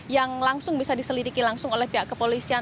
yang langsung bisa diselidiki langsung oleh pihak kepolisian